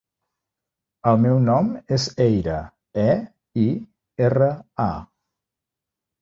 El meu nom és Eira: e, i, erra, a.